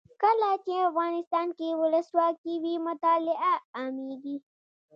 کله چې افغانستان کې ولسواکي وي مطالعه عامیږي.